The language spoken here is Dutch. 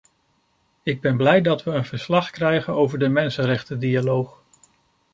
Ik ben blij dat we een verslag krijgen over de mensenrechtendialoog.